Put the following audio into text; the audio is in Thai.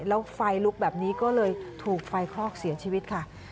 แล้วไฟลุกแบบนี้ก็เลยถูกไฟคลอกเสียชีวิตค่ะ